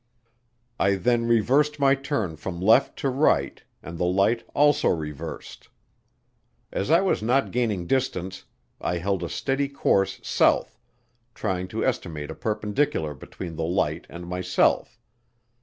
I then reversed my turn from left to right and the light also reversed. As I was not gaining distance, I held a steady course south trying to estimate a perpendicular between the light and myself.